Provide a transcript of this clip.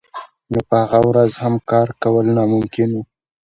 نو په هغه ورځ هم کار کول ناممکن وو